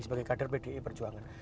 sebagai kader pdi perjuangan